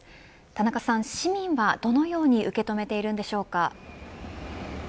田中さん、市民はどのように受け止めているんでしょうか。